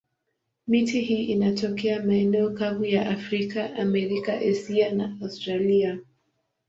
Miti hii inatokea maeneo kavu ya Afrika, Amerika, Asia na Australia.